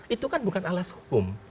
itu kan bukan alas hukum